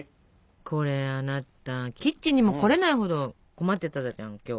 これあなたキッチンにも来れないほど困ってたじゃん今日。